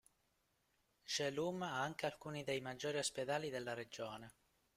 Jhelum ha anche alcuni dei maggiori ospedali della regione.